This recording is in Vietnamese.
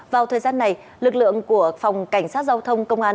vào thời gian này lực lượng của phòng cảnh sát giao thông công an